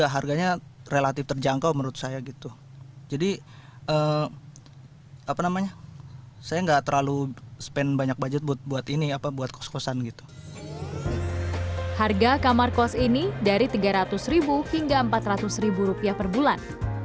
harga kamar kos ini dari tiga ratus ribu hingga empat ratus rupiah per bulan